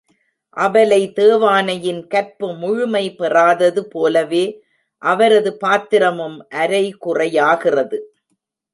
அபலை தேவானையின் கற்பு முழுமை பெறாதது போலவே அவரது பாத்திரமும் அரைகுறையாகிறது.